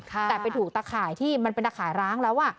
แต่ไปถูกตะข่ายที่มันเป็นตะข่ายร้างแล้ว